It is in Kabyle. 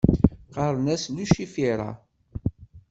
Qqaren-as Lucifera